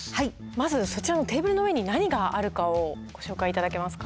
まずそちらのテーブルの上に何があるかをご紹介頂けますか。